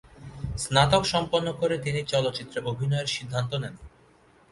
স্নাতক সম্পন্ন করে তিনি চলচ্চিত্রে অভিনয়ের সিদ্ধান্ত নেন।